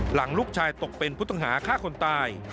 หลังลูกชายตกเป็นผู้ต้องหาฆ่าคนตาย